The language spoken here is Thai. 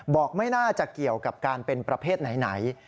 ไม่น่าจะเกี่ยวกับการเป็นประเภทไหน